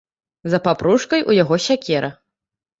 За папружкай у яго сякера.